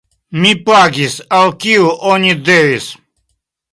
Mi pagis, al kiu oni devis.